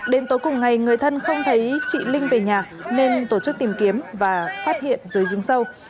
đến tối cùng ngày người thân không thấy chị linh về nhà nên tổ chức tìm kiếm và phát hiện dưới dính sâu